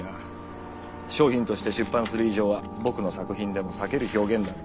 「商品」として出版する以上は僕の作品でも避ける表現だが。